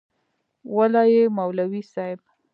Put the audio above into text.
وله یی مولوی صیب.